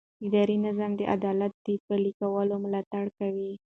اداري نظام د عدالت د پلي کولو ملاتړ کوي.